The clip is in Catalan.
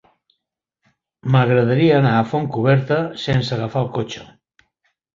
M'agradaria anar a Fontcoberta sense agafar el cotxe.